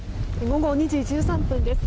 午後２時１３分です。